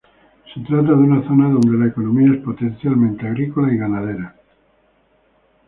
Se trata de una zona donde la economía es potencialmente agrícola y ganadera.